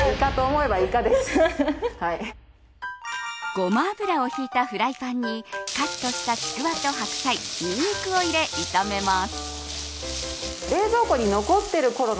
ごま油をひいたフライパンにカットしたちくわと白菜ニンニクを入れ、炒めます。